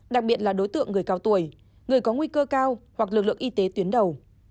đặc biệt là đối tượng người cao tuổi người có nguy cơ cao hoặc lực lượng y tế tuyến đầu